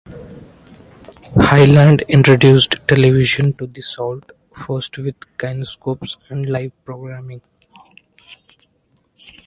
Hyland introduced television to the Sault, first with kinescopes and live programming.